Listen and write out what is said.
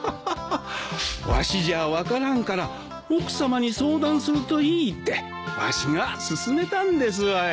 わしじゃ分からんから奥さまに相談するといいってわしが勧めたんですわい。